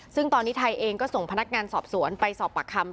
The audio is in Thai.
ซึ่งตอนนี้ไทยเองก็ส่งพนักงานสอบสวนไปสอบปากคำ